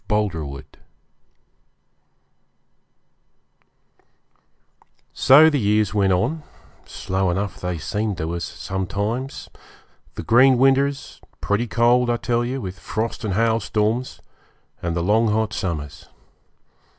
Chapter 3 So the years went on slow enough they seemed to us sometimes the green winters, pretty cold, I tell you, with frost and hail storms, and the long hot summers.